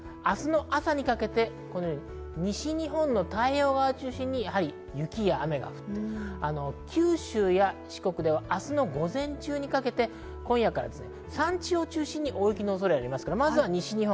明日、朝にかけてこのように西日本の太平洋側を中心に雪や雨が降って、九州や四国では明日午前中にかけて、今夜から山地を中心に大雪の恐れがあります。